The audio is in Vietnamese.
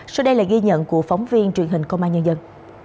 sau đây là ghi nhận của phóng viên truyền hình công an nhân dân